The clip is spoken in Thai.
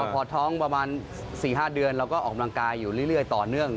พอท้องประมาณ๔๕เดือนเราก็ออกกำลังกายอยู่เรื่อยต่อเนื่อง